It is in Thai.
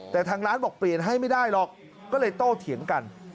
แต่ทางร้านบอกเปลี่ยนให้ไม่ได้หรอกก็เลยโต้เถียงกัน